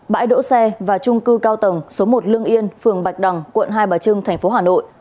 bãi đỗ xe và trung cư cao tầng số một lương yên phường bạch đằng quận hai bà trưng tp hà nội